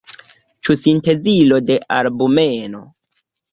Ĉu sintezilo de albumeno?